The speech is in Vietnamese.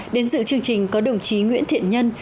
đến dự chương trình có đồng chí nguyễn thiện nhân